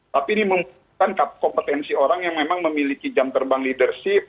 tapi ini membutuhkan kompetensi orang yang memang memiliki jam terbang leadership